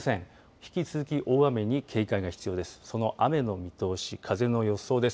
引き続き大雨に警戒が必要です。